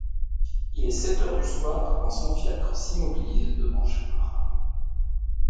Il est sept heures du soir quand son fiacre s’immobilise devant chez Marat.